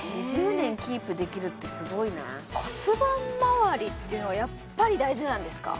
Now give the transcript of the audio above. ２０年キープできるってすごいな骨盤まわりっていうのはやっぱり大事なんですか？